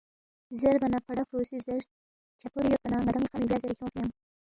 زیربا نہ فڑا فرُو سی زیرس، چھدپورے یودپا نہ ن٘دان٘ی خا می بیا زیرے کھیونگفی ینگ؟